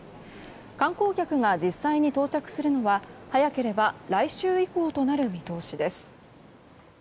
観光客が実際に到着するのは早ければ来週以降となる見通しです。